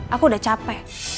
aku udah capek